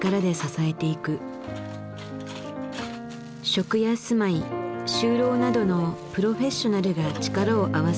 食や住まい就労などのプロフェッショナルが力を合わせる。